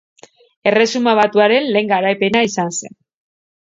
Erresuma Batuaren lehen garaipena izan zen.